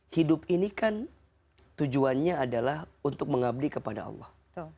hidup ini kan tujuannya adalah untuk mengabdi kepada allah